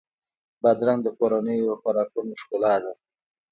بادرنګ د کورنیو خوراکونو ښکلا ده.